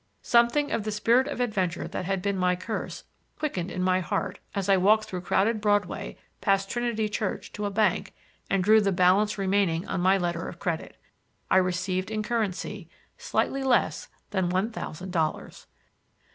Something of the spirit of adventure that had been my curse quickened in my heart as I walked through crowded Broadway past Trinity Church to a bank and drew the balance remaining on my letter of credit. I received in currency slightly less than one thousand dollars.